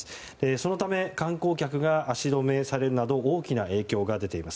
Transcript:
そのため観光客が足止めされるなど大きな影響が出ています。